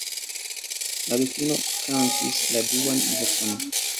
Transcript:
La Dukino kantis la duan verson.